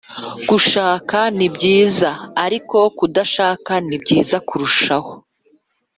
Gushaka ni byiza ariko kudashaka nibyiza kurushaho